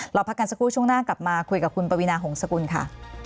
เราพักกันสักครู่ช่วงหน้ากลับมาคุยกับคุณปวีนาหงษกุลค่ะ